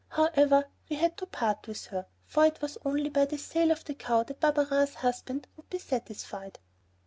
However, we had to part with her, for it was only by the sale of the cow that Barberin's husband would be satisfied.